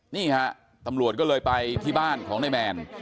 นี่ฮะตำรวจก็เลยไปที่บ้านของนายแมน